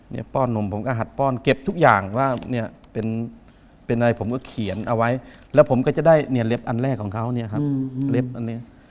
ป้อนนมผมก็หัดป้อนเก็บทุกอย่างว่าเนี่ยเป็นอะไรผมก็เขียนเอาไว้แล้วผมก็จะได้เนี่ยเล็บอันแรกของเขาเนี่ยครับเล็บอันนี้